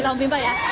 kita om pimpah ya